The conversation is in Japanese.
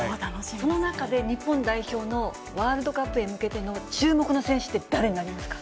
その中で日本代表の、ワールドカップへ向けての注目の選手って誰になりますか？